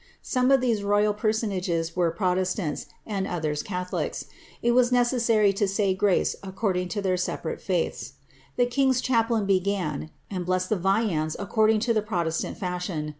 Some of these royal personages were protestants, and others catholics: it was necessary to say grace acconling to their separate faiths. The king^s chaplain began, and blessed the viands according to the protestant fashion.